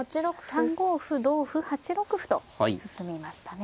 ３五歩同歩８六歩と進みましたね。